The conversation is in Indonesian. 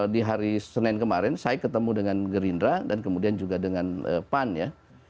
di hari senin kemarin saya ketemu dengan gerindra dan kemudian juga dengan pan ya